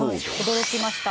驚きました。